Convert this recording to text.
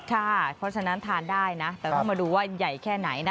เพราะฉะนั้นทานได้นะแต่ต้องมาดูว่าใหญ่แค่ไหนนะ